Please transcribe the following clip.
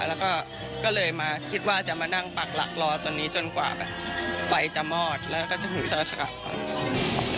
แล้วก็ก็เลยมาคิดว่าจะมานั่งปักหลักรอจนนี้จนกว่าแบบไฟจะมอดแล้วก็จะถึงจะกลับ